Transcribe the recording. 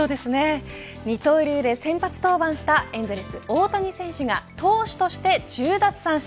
二刀流で先発登板したエンゼルス、大谷翔平選手ですが投手として１０奪三振。